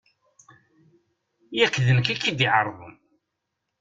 Yak d nekk i k-id-ɛerḍen.